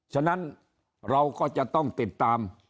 ฉะนั้นเราก็จะต้องติดตาม